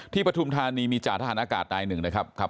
ที่ประธุมธานีมีจ่าทหารอากาศใดหนึ่งนะครับ